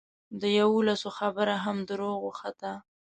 د یوولسو خبره هم دروغه وخته.